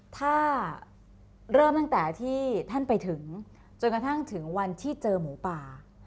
ถ้าเริ่มตั้งแต่ที่ท่านไปถึงจนกระทั่งถึงวันที่เจอหมูป่า